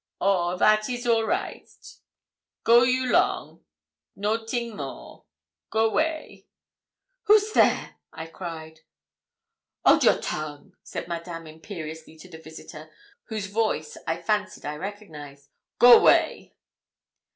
'Oh, that is all right; go you long, no ting more, go way.' 'Who's there?' I cried. 'Hold a your tongue,' said Madame imperiously to the visitor, whose voice I fancied I recognised 'go way.'